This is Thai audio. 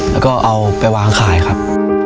แล้วก็เอาไปวางขายครับ